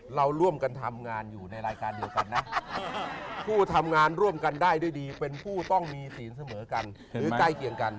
เราร่วมกันทำงานอยู่ในรายการเดียวกันนะผู้ทำงานร่วมกันได้ด้วยดีเป็นผู้ต้องมีศีลเสมอกันหรือใกล้เคียงกัน